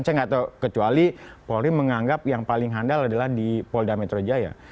saya nggak tahu kecuali polri menganggap yang paling handal adalah di polda metro jaya